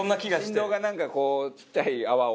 振動がなんかこうちっちゃい泡を。